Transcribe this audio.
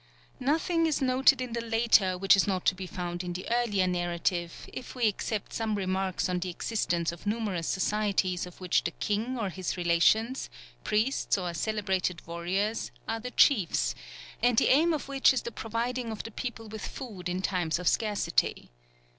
Nothing is noticed in the later which is not to be found in the earlier narrative, if we except some remarks on the existence of numerous societies of which the king or his relations, priests, or celebrated warriors, are the chiefs, and the aim of which is the providing of the people with food in times of scarcity.